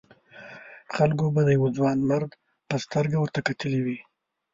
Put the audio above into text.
خلکو به د یوه ځوانمرد په سترګه ورته کتلي وي.